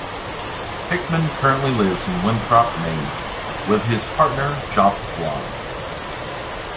Hickman currently lives in Winthrop, Maine, with his partner, Jop Blom.